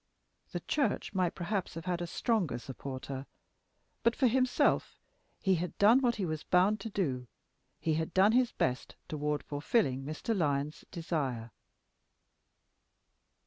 The Church might perhaps have had a stronger supporter; but for himself, he had done what he was bound to do: he had done his best toward fulfilling Mr. Lyon's desire.